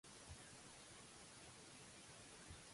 Què ha asseverat sobre Compromís?